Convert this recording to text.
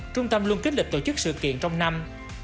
trung tâm luôn kích lịch tổ chức sự kiện trong năm